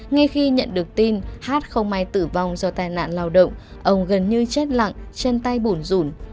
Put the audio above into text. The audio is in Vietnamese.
ngay khi nhận được tin h không ai tử vong do tai nạn lao động ông gần như chết lặng chân tay bùn rủn